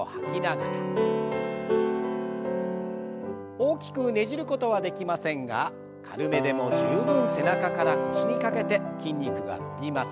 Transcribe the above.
大きくねじることはできませんが軽めでも十分背中から腰にかけて筋肉が伸びます。